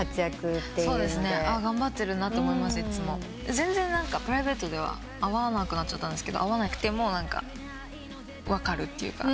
全然プライベートでは会わなくなっちゃったんですが会わなくても分かるっていうか。